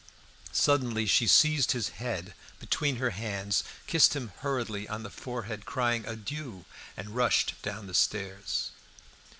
Suddenly she seized his head between her hands, kissed him hurriedly on the forehead, crying, "Adieu!" and rushed down the stairs.